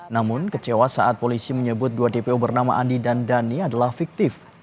namun kecewa saat polisi menyebut dua dpo bernama andi dan dhani adalah fiktif